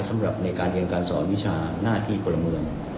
สำหรับในการเรียนการสอนวิชาหน้าที่พลเมือง